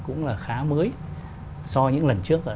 cũng là khá mới của tác giả đặng thiện trân